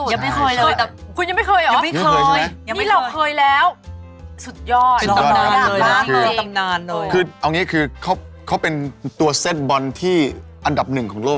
ยังไม่เคยเลยแต่คุณยังไม่เคยเหรอไม่เคยที่เราเคยแล้วสุดยอดมากเลยคือเอางี้คือเขาเป็นตัวเส้นบอลที่อันดับหนึ่งของโลก